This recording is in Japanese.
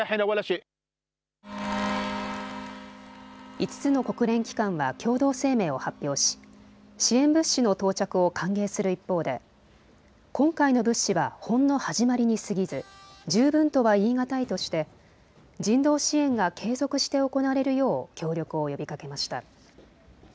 ５つの国連機関は共同声明を発表し、支援物資の到着を歓迎する一方で今回の物資はほんの始まりに過ぎず十分とは言い難いとして人道支援が継続して行われるよう協力を呼びかけました。